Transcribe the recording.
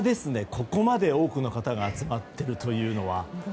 ここまで多くの方が集まってるというのは。